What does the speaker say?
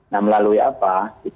nah melalui apa